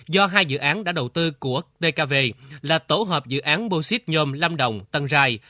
do hai dự án đã đầu tư của tkv là tổ hợp dự án bô xít nhôm lâm đồng tân rai